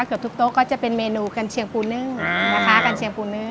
เกือบทุกโต๊ะก็จะเป็นเมนูกัญเชียงปูนึ่งนะคะกัญเชียงปูนึ่ง